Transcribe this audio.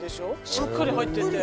しっかり入ってて。